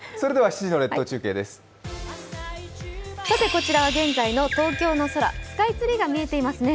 こちらは現在の東京の空スカイツリーが見えていますね。